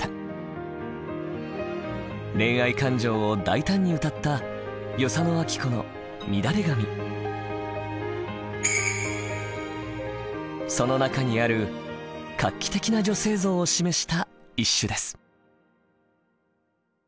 恋愛感情を大胆に歌ったその中にある画期的な女性像を示した一首です。